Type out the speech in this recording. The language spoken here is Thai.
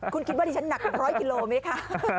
คุณคิดว่าดิฉันหนัก๑๐๐กิโลไหมคะ